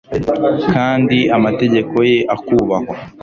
kandi amategeko ye akubahwa